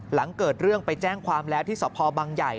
หลังเกิดเรื่องไปแจ้งความแล้วที่สพบังใหญ่